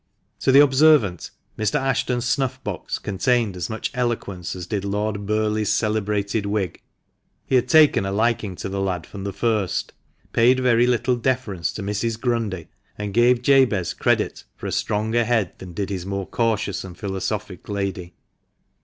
To the observant, Mr. Ashton's snuff box contained as much eloquence as did Lord Burleigh's celebrated wig. He had taken a liking to the lad from the first, paid very little deference to Mrs. Grundy, and gave Jabez credit for a stronger head than did his more cautious and philosophic lady.